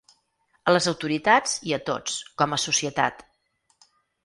A les autoritats… i a tots, com a societat.